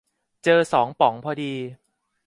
เจอสองป๋องพอดี